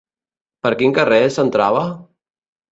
Per quin carrer s'entrava?